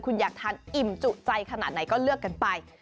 คุณอยากทานอิ่มจุใจขนาดไหนก็เลือกกันไป